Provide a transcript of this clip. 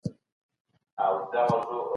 خو اکثر وخت دا زموږ د پرېکړو پایله وي.